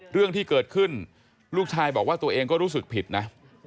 เรื่องที่เกิดขึ้นลูกชายบอกว่าตัวเองก็รู้สึกผิดนะ